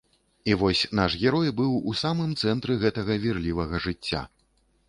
І вось наш герой быў у самым цэнтры гэтага вірлівага жыцця.